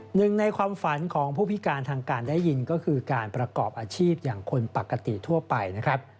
หนึ่งในความฝันของผู้พิการทางการได้ยินก็คือการประกอบอาชีพอย่างคนปกติทั่วไปนะครับ